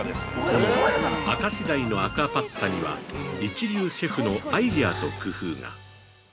◆この明石鯛のアクアパッツァには一流シェフのアイデアと工夫が！